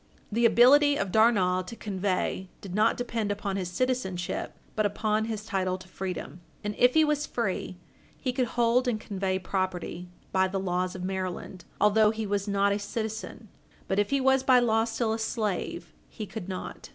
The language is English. The ability of Darnall to convey did not depend upon his citizenship, but upon his title to freedom. And if he was free, he could hold and Page 60 U. S. 425 convey property, by the laws of Maryland, although he was not a citizen. But if he was by law still a slave, he could not.